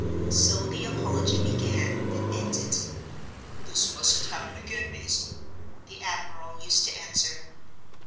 So the apology began and ended. "This mustn't happen again, Mazey," the admiral used to answer.